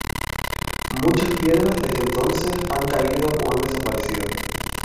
Muchas piedras desde entonces han caído o han desaparecido.